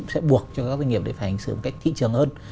sẽ buộc cho các doanh nghiệp phải hành xử một cách thị trường hơn